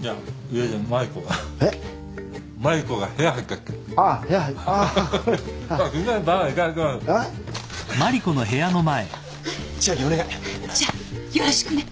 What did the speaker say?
じゃあよろしくね。